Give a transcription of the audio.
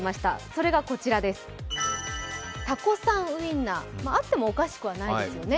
それがこちら、タコさんウインナーあってもおかしくはないですよね。